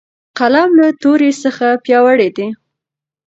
قلم له تورې څخه پیاوړی دی.